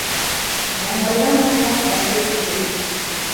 Маңлайҙан аҡҡан әсе тир